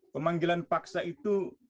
pemanggilan paksa itu